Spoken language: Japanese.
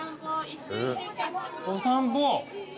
お散歩？